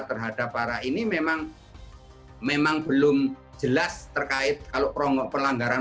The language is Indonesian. terhadap para ini memang belum jelas terkait kalau perlanggaran